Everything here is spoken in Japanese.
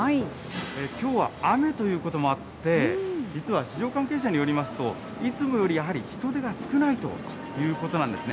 きょうは雨ということもあって、実は市場関係者によりますと、いつもより、やはり人出が少ないということなんですね。